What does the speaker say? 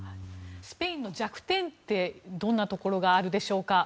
スペインの弱点ってどんなところがあるでしょうか。